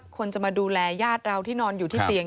คนจะมาดูแลญาติเราที่นอนอยู่ที่เตียง